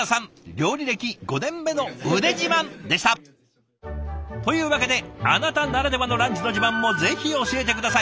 料理歴５年目の腕自慢でした！というわけであなたならではのランチの自慢もぜひ教えて下さい。